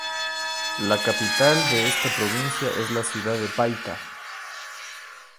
La capital de esta provincia es la ciudad de Paita.